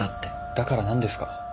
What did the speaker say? だから何ですか？